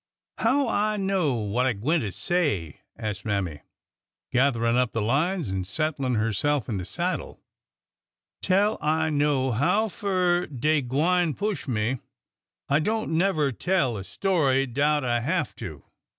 '' How I know what I gwineter say," asked Mammy, gathering up the lines and settling herself in the saddle; 319 320 ORDER NO. 11 tell I know how fur dey gwine push me ? I don't never tell a story 'dout I have to.